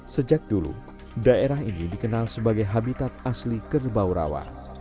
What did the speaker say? sejak dulu daerah ini dikenal sebagai habitat asli kerbau rawa